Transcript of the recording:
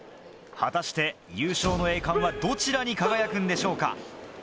果たして優勝の栄冠はどちらに輝くんでしょうか。